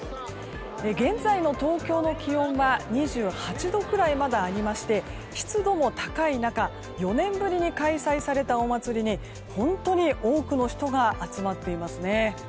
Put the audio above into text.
現在の東京の気温は２８度くらい、まだありまして湿度も高い中４年ぶりに開催されたお祭りに本当に多くの人が集まっていますね。